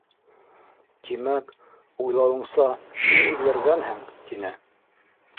—Тимәк, уйлауыңса, һин үҙгәргәнһең? —тине.